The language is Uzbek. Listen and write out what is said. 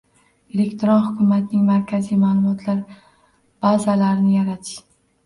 Elektron hukumatning markaziy ma’lumotlar bazalarini yaratish